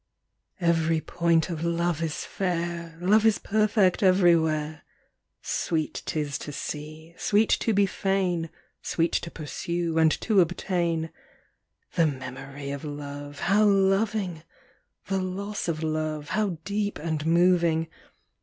112 VERY point of Love is fair, Love is perfect everywhere ; Sweet 'tis to see, sweet to be fain, Sweet to pursue and to obtain ; The memory of Love, how loving ! The loss of Love, how deep and moving